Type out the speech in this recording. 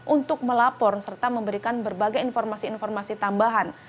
untuk melapor serta memberikan berbagai informasi informasi tambahan